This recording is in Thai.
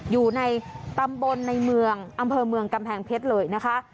อยู่ในตำบลในเมืองอำเภอเมืองกำแพงเพชรเลยนะคะ